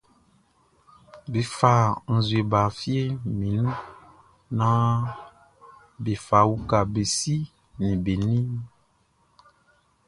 Be fa nzue ba fieʼm be nun naan be fa uka be si ni be ni mun.